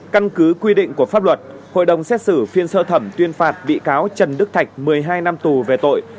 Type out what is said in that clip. căn cứ quy định của pháp luật hội đồng xét xử phiên sơ thẩm tuyên phạt bị cáo trần đức thạch một mươi hai năm tù về tội